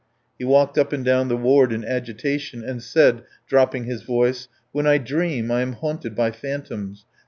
He walked up and down the ward in agitation, and said, dropping his voice: "When I dream I am haunted by phantoms.